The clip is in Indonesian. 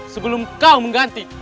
sebelum kau mengganti